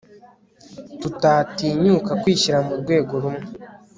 tutatinyuka kwishyira mu rwego rumwe